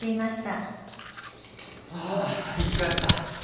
ああ生き返った！